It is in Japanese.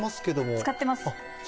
「使ってます。